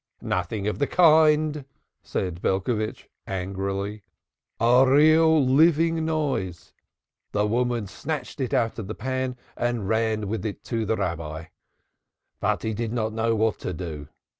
"Nothing of the kind," said Belcovitch angrily, "A real living noise. The woman snatched it out of the pan and ran with it to the Rabbi. But he did not know what to do.